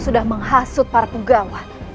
sudah menghasut para pegawai